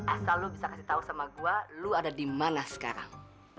asal lo bisa kasih tahu sama gue lo ada di mana sekarang